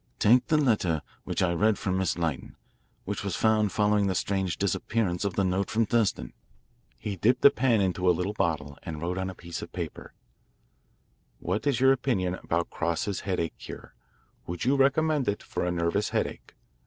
"Take the letter which I read from Miss Lytton, which was found following the strange disappearance of the note from Thurston." He dipped a pen into a little bottle, and wrote on a piece of paper: What is your opinion about Cross's Headache Cure? Would you recommend it for a nervous headache?